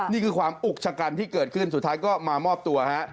นี่คือความอุกชะกันที่เกิดขึ้นสุดท้ายก็มามอบตัวฮะ